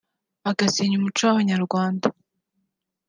agasenya umuco w’Abanyarwanda